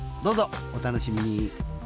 どうぞお楽しみに。